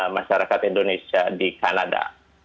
masyarakat indonesia di kanada